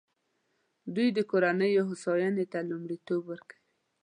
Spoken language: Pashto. دوی د کورنیو هوساینې ته لومړیتوب ورکوي.